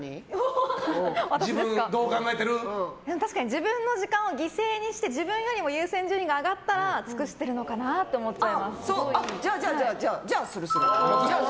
自分の時間を犠牲にして自分よりも優先順位が上がったら尽くしてるのかなとじゃあ、するする。